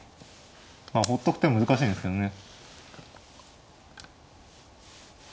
まあほっとく手難しいんですけどね。